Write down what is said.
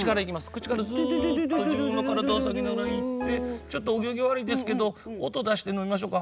口からすっと自分の体を下げながら行ってちょっとお行儀悪いですけど音出して飲みましょうか。